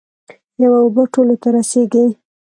یوه اوبه ټولو ته رسیږي.